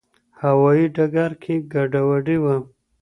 هوايي ډګر کې ګډوډي وه.